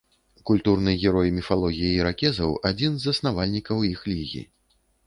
Культурны герой міфалогіі іракезаў, адзін з заснавальнікаў іх лігі.